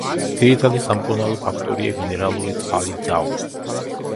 ძირითადი სამკურნალო ფაქტორია მინერალური წყალი „ძაუ“.